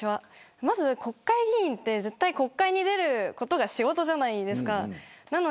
国会議員は絶対に国会に出ることが仕事じゃないですか。